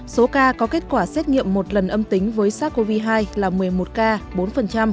số ca có kết quả xét nghiệm một lần âm tính với sars cov hai là một mươi một ca bốn